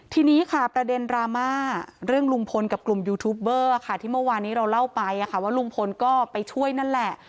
ทีนี้ค่ะประเด็นดราม่าเรื่องลุงพลกับกลุ่มยูทูปเบอร์ค่ะที่เมื่อวานนี้เราเล่าไปว่าลุงพลก็ไปช่วยนั่นแหละ